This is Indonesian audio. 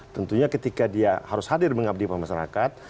tentunya ketika dia harus hadir mengabdi kepada masyarakat